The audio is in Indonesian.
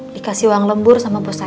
dikasih uang lembur sama bos saya